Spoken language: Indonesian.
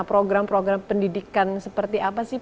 program program pendidikan seperti apa sih